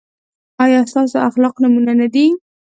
ایا ستاسو اخلاق نمونه نه دي؟